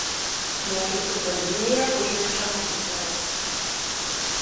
Mokėsi pradinėje Užvenčio mokykloje.